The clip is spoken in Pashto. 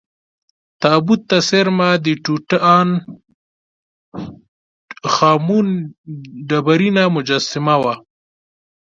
تابوت ته څېرمه د ټوټا ن خا مون ډبرینه مجسمه وه.